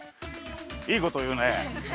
いいこというね。